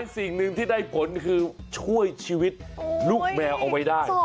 สิ่งหนึ่งที่ได้ผลคือช่วยชีวิตลูกแมวเอาไว้ได้